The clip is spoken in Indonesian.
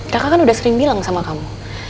kakak kan udah sering bilang sama kamu